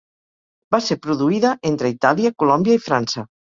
Va ser produïda entre Itàlia, Colòmbia i França.